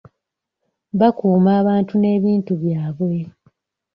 Bakuuma abantu n'ebintu byabwe.